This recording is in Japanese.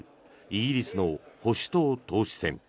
イギリスの保守党党首選。